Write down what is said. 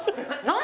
何？